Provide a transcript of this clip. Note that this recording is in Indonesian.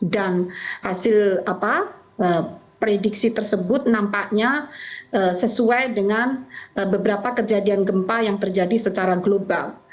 dan hasil prediksi tersebut nampaknya sesuai dengan beberapa kejadian gempa yang terjadi secara global